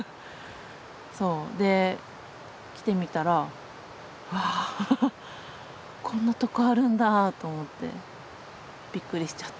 で来てみたらあこんなとこあるんだと思ってびっくりしちゃって。